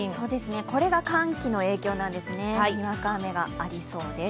これが寒気の影響なんですね、にわか雨がありそうです。